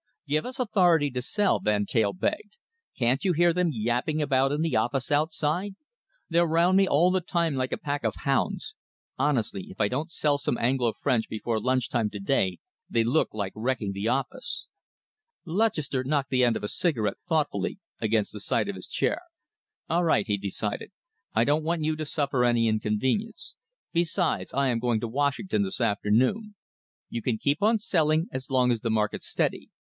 "Give us authority to sell," Van Teyl begged. "Can't you hear them yapping about in the office outside? They're round me all the time like a pack of hounds. Honestly, if I don't sell some Anglo French before lunch time to day, they look like wrecking the office." Lutchester knocked the end of a cigarette thoughtfully against the side of his chair. "All right," he decided, "I don't want you to suffer any inconvenience. Besides, I am going to Washington this afternoon. You can keep on selling as long as the market's steady.